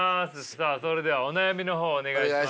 さあそれではお悩みの方お願いします。